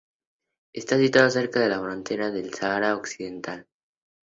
Está situado cerca de la frontera del Sahara Occidental.